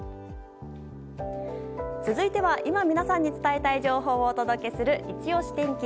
続いては今、皆さんに伝えたい情報をお届けするいちオシ天気。